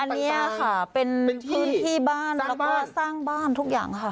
อันนี้ค่ะเป็นพื้นที่บ้านแล้วก็สร้างบ้านทุกอย่างค่ะ